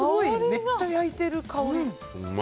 めっちゃ焼いている香り。